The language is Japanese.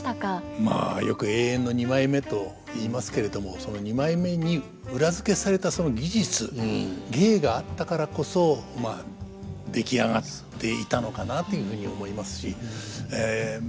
まあよく永遠の二枚目と言いますけれどもその二枚目に裏付けされたその技術芸があったからこそまあ出来上がっていたのかなというふうに思いますしま